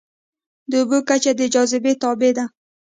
د اوبو کچه د جاذبې تابع ده.